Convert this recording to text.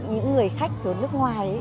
những người khách từ nước ngoài